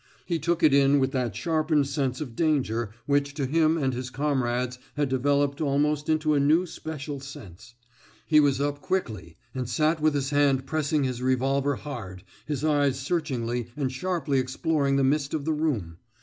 He took it in with that sharpened sense of danger which to him and his comrades had developed almost into a new special sense. He was up quickly and sat with his hand pressing his revolver hard, his eyes searchingly and sharply exploring the mist of the room.